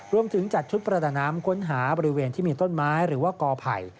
จัดชุดประดาน้ำค้นหาบริเวณที่มีต้นไม้หรือว่ากอไผ่